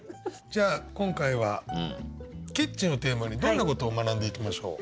じゃあ今回は「キッチン」をテーマにどんなことを学んでいきましょう？